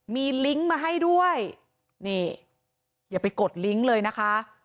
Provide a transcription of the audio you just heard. มีลิงก์มาให้ด้วยนี่อย่าไปกดลิงก์เลยนะคะ